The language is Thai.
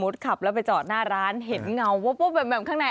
ถ้าผ่านไปก็คงสงสัย